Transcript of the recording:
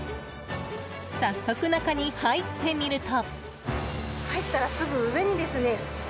早速、中に入ってみると。